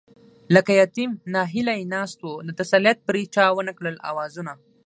لکه يتيم ناهيلی ناست وو، د تسليت پرې چا ونکړل آوازونه